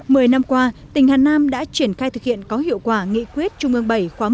mười năm qua tỉnh hà nam đã triển khai thực hiện có hiệu quả nghị quyết trung ương bảy khóa một mươi hai